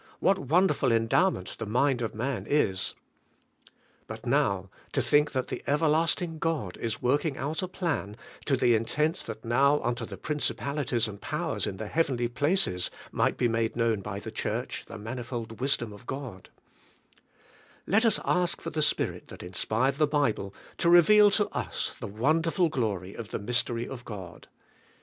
What a wonderful endov/ment the mind of man is!" But now, to think that the Everlasting God is working out a plan "to the intent that now unto the principalities and powers in the heavenly pla^ces might be made known by the church, the manifold wisdom of God," Let us ask for the Spirit that inspired the Bible to reveal to us the wonderful glory of the mystery of God.